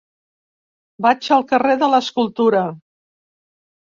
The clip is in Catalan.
Vaig al carrer de l'Escultura.